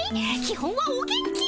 基本はお元気。